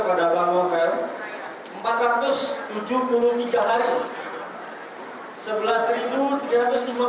kepada kawan kawan dieu meeot silahkan berk punktu depan